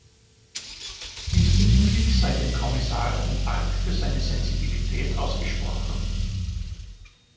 Diesbezüglich sei dem Kommissar ein Dank für seine Sensibilität ausgesprochen.